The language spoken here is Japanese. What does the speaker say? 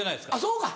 そうか。